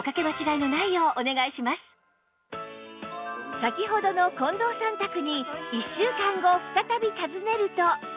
先ほどの近藤さん宅に１週間後再び訪ねると